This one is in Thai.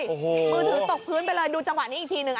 มือถือตกพื้นไปเลยดูจังหวะนี้อีกทีหนึ่ง